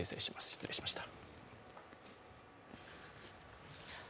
失礼しました。